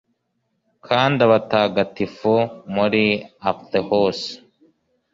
Kandi umutagatifu muri apotheose